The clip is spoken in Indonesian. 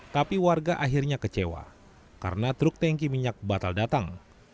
tapi warga akhirnya kecewa karena truk tanki minyak batal datang